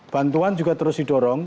bantuan juga terus didorong